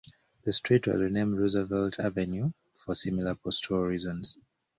That street was renamed Roosevelt Avenue for similar post-war reasons.